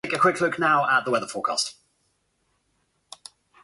Paul and Bonnyville-Cold Lake.